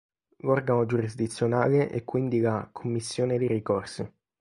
L'organo giurisdizionale è quindi la "Commissione dei Ricorsi".